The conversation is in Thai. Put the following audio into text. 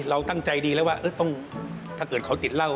เราตั้งใจดีแล้วว่าต้องถ้าเกิดเขาติดเหล้า